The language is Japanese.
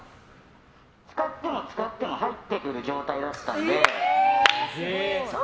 使っても使っても入ってくる状態だったので。